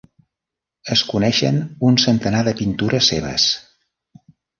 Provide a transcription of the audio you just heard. Es coneixen un centenar de pintures seves.